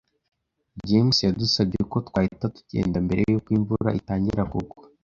James yadusabye ko twahita tugenda mbere yuko imvura itangira kugwa.